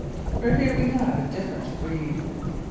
For here we have a different breed.